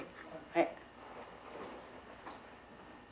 はい。